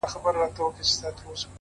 شكر دى چي مينه يې په زړه كـي ده-